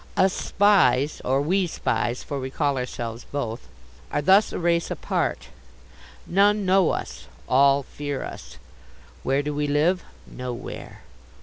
Us Spies or We Spies for we call ourselves both are thus a race apart. None know us. All fear us. Where do we live? Nowhere.